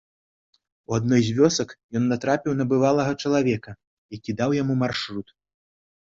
У адной з вёсак ён натрапіў на бывалага чалавека, які даў яму маршрут.